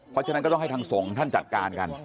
เพราะฉะนั้นก็ต้องให้ทางสงฆ์ท่านจัดการกัน